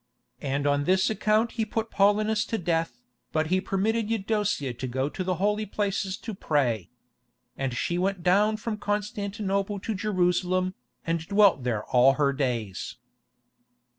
And on this account he put Paulinus to death, but he permitted Eudocia to go to the Holy Places to pray. And she went down from Constantinople to Jerusalem, and dwelt there all her days."